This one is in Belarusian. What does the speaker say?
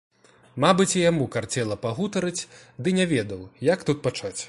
Мабыць, і яму карцела пагутарыць, ды не ведаў, як тут пачаць.